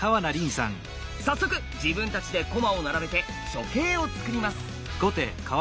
早速自分たちで駒を並べて初形を作ります。